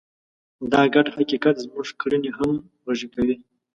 دا ګډ حقیقت زموږ کړنې همغږې کوي.